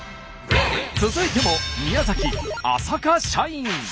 続いても宮崎浅香社員。